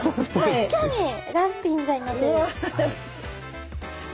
確かにラフテーみたいになってる。